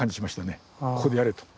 ここでやれと。